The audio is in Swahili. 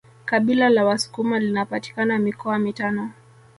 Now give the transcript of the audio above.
Kabila la wasukuma linapatikana mikoa mitano